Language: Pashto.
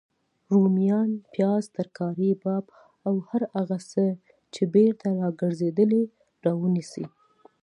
روميان، پیاز، ترکاري باب او هر هغه څه چی بیرته راګرځیدلي راونیسئ